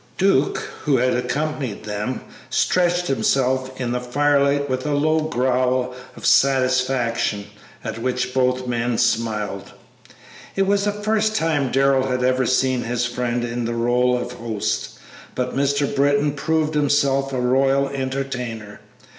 Duke, who had accompanied them, stretched himself in the firelight with a low growl of satisfaction, at which both men smiled. It was the first time Darrell had ever seen his friend in the rôle of host, but Mr. Britton proved himself a royal entertainer.